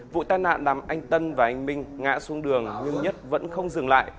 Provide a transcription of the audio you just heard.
vụ tai nạn làm anh tân và anh minh ngã xuống đường nhưng nhất vẫn không dừng lại